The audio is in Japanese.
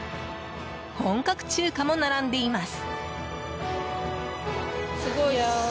本格中華も並んでいます。